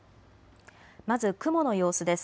まず雲の様子です。